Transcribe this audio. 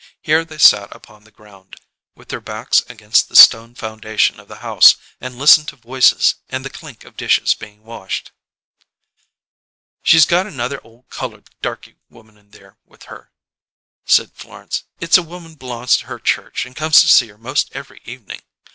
Here they sat upon the ground, with their backs against the stone foundation of the house, and listened to voices and the clink of dishes being washed. "She's got another ole coloured darky woman in there with her," said Florence. "It's a woman belongs to her church and comes to see her 'most every evening.